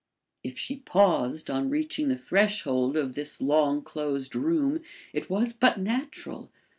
If she paused on reaching the threshold of this long closed room, it was but natural.